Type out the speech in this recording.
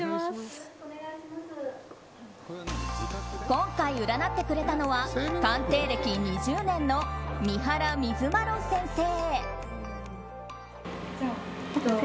今回、占ってくれたのは鑑定歴２０年の三原瑞磨先生。